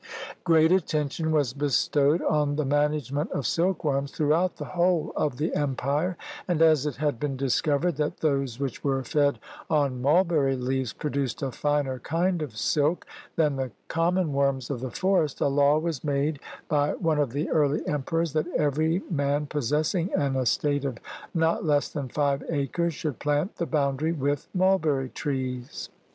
Great attention was bestowed on the management of silkworms throughout the whole of the empire ; and as it had been discovered that those which were fed on mul berry leaves produced a finer kind of silk than the com mon worms of the forest, a law was made by one of the early emperors that every man possessing an estate of not less than five acres should plant the boundary with mulberry trees.